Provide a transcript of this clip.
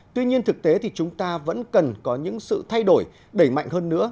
tuy nhiên thực tế thì chúng ta vẫn cần có những sự thay đổi đẩy mạnh hơn nữa